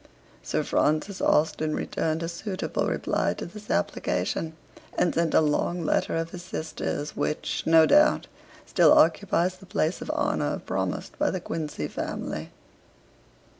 Sir Francis Austen returned a suitable reply to this application; and sent a long letter of his sister's, which, no doubt, still occupies the place of honour promised by the Quincey family.